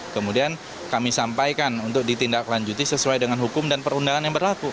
kemudian kami sampaikan untuk ditindaklanjuti sesuai dengan hukum dan perundangan yang berlaku